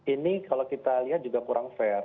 ini kalau kita lihat juga kurang fair